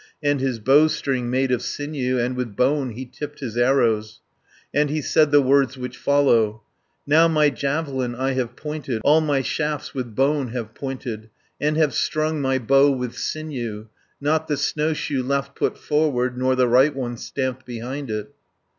And his bowstring made of sinew, And with bone he tipped his arrows, And he said the words which follow: "Now my javelin I have pointed, All my shafts with bone have pointed, And have strung my bow with sinew, Not the snowshoe left put forward, Nor the right one stamped behind it."